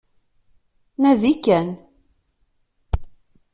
Nadi kan